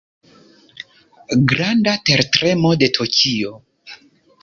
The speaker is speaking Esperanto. Granda tertremo de Tokio.